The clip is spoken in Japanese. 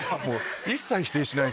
一切否定しない。